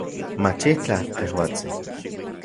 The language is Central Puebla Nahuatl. Machitlaj, tejuatsin